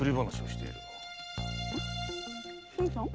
新さん？